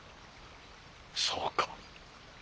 そうか。